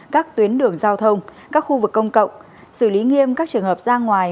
các tuyến đường giao thông các khu vực công cộng xử lý nghiêm các trường hợp ra ngoài